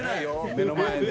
目の前で。